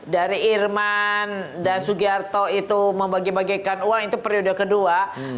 dari irman dan sugiarto itu membagi bagikan uang itu periode kedua